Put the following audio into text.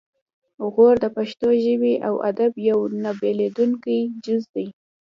غور د پښتو ژبې او ادب یو نه بیلیدونکی جز دی